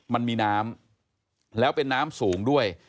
มันมีน้ำแล้วเป็นน้ำสูงด้วย